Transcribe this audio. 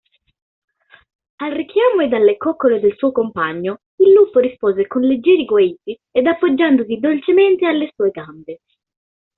Al richiamo ed alle coccole del suo compagno, il lupo rispose con leggeri guaiti ed appoggiandosi dolcemente alle sue gambe.